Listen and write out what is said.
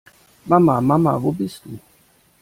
Mama, Mama, wo bist du?